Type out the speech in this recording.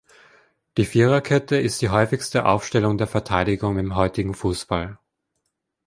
Die Viererkette ist die häufigste Aufstellung der Verteidigung im heutigen Fußball.